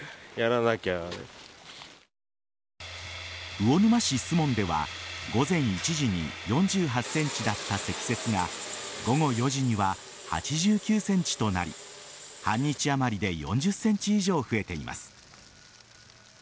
魚沼市守門では午前１時に４８ｃｍだった積雪が午後４時には８９ｃｍとなり半日あまりで４０ｃｍ以上増えています。